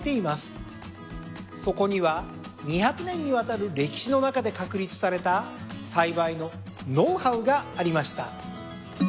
そこには２００年にわたる歴史の中で確立された栽培のノウハウがありました。